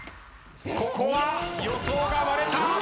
ここは予想が割れた！